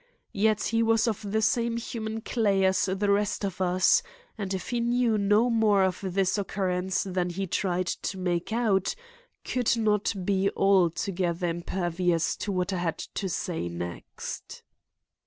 Yet he was of the same human clay as the rest of us, and, if he knew no more of this occurrence than he tried to make out, could not be altogether impervious to what I had to say next.